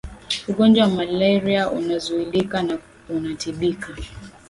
ugonjwa wa malaria unazuilika na unatibika